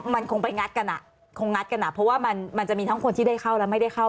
มันคงไปงัดกันเพราะว่ามันจะมีทั้งคนที่ได้เข้าและไม่ได้เข้า